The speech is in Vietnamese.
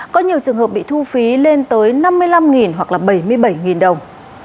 có nhiều trường hợp bị thu phí lên tới năm mươi năm hoặc là bảy mươi bảy đồng